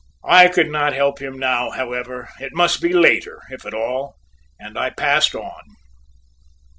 I could not help him now, however, it must be later, if at all, and I passed on.